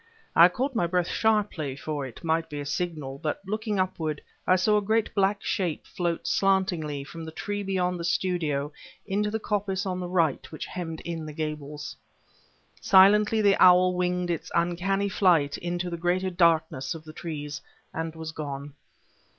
I caught my breath sharply, for it might be a signal; but, looking upward, I saw a great black shape float slantingly from the tree beyond the studio into the coppice on the right which hemmed in the Gables. Silently the owl winged its uncanny flight into the greater darkness of the trees, and was gone.